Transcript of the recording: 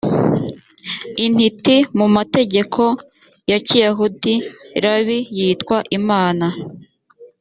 intiti mu mategeko ya kiyahudi rabi yitwa imana